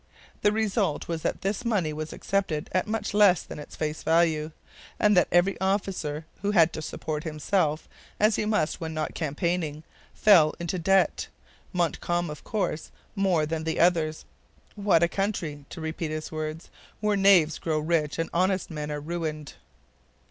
The result was that this money was accepted at much less than its face value, and that every officer who had to support himself, as he must when not campaigning, fell into debt, Montcalm, of course, more than the others. 'What a country,' to repeat his words, 'where knaves grow rich and honest men are ruined!'